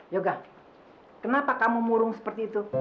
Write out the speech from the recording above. yoga kenapa kamu murung seperti itu